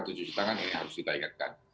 atau cuci tangan ini harus kita ingatkan